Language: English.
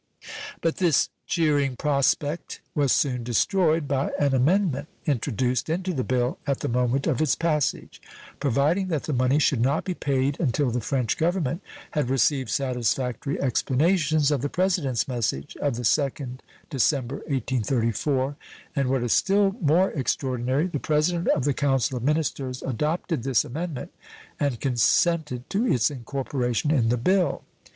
But this cheering prospect was soon destroyed by an amendment introduced into the bill at the moment of its passage, providing that the money should not be paid until the French Government had received satisfactory explanations of the President's message of the second December, 1834, and, what is still more extraordinary, the president of the council of ministers adopted this amendment and consented to its incorporation in the bill.